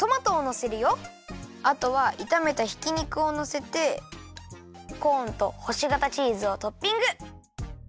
あとはいためたひき肉をのせてコーンとほしがたチーズをトッピング！